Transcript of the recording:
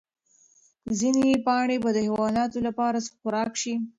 ځینې پاڼې به د حیواناتو لپاره خوراک شي.